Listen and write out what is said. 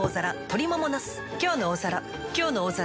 「きょうの大皿」